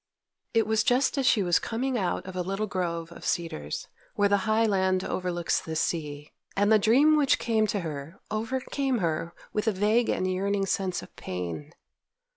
It was just as she was coming out of a little grove of cedars, where the high land overlooks the sea, and the dream which came to her overcame her with a vague and yearning sense of pain.